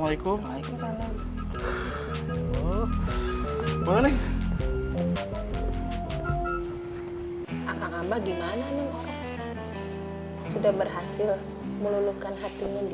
apa kabar gimana nih orang sudah berhasil meluluhkan hatinya dia